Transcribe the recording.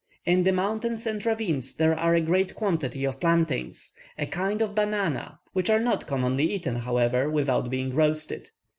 In the mountains and ravines there are a great quantity of plantains, a kind of banana, which are not commonly eaten, however, without being roasted.